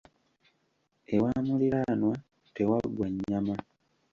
Ewa muliraanwa tewaggwa nnyama.